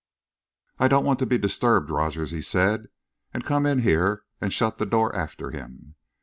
"'I don't want to be disturbed, Rogers,' he said, and come in here and shut the door after him.